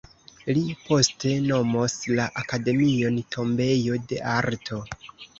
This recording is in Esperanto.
Li poste nomos la akademion "tombejo de arto.